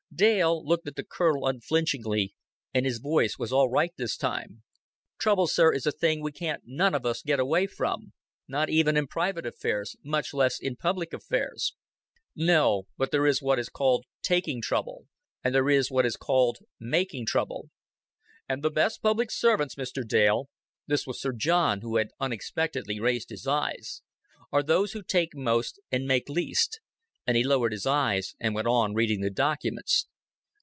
Dale looked at the Colonel unflinchingly, and his voice was all right this time. "Trouble, sir, is a thing we can't none of us get away from not even in private affairs, much less in public affairs." "No; but there is what is called taking trouble, and there is what is called making trouble." "And the best public servants, Mr. Dale" this was Sir John, who had unexpectedly raised his eyes "are those who take most and make least;" and he lowered his eyes and went on reading the documents.